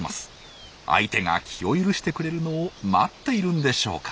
相手が気を許してくれるのを待っているんでしょうか。